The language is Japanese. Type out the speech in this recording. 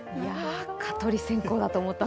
蚊取り線香だと思ってた。